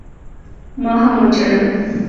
ما هم وجړل.